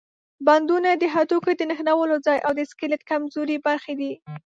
بندونه د هډوکو د نښلولو ځای او د سکلیټ کمزورې برخې دي.